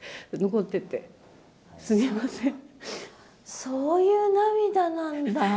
そういう涙なんだ。